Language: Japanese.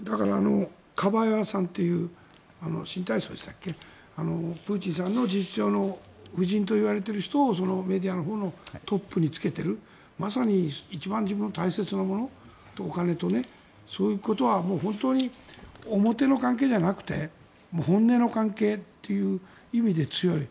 カバエワさんというプーチンさんの愛人と呼ばれている人をそのメディアのほうのトップにつけているまさに一番自分の大切なものお金と、そういうことは表の関係じゃなくて本音の関係という意味で強い。